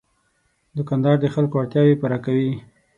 دوکاندار د خلکو اړتیاوې پوره کوي.